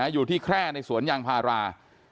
อยู่ที่แคร่ในสวนยางพารา